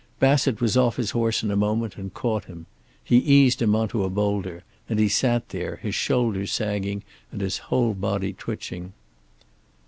Bassett was off his horse in a moment and caught him. He eased him onto a boulder, and he sat there, his shoulders sagging and his whole body twitching.